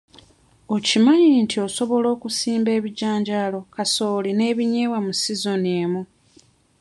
Okimanyi nti osobola okusimba ebijanjaalo, kasooli n'ebinyeebwa mu sizoni emu?